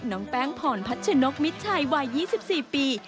น้องแป้งพรพัชนกมิดชัยวัย๒๔ปี